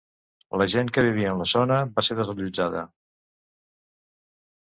La gent que vivia en la zona va ser desallotjada.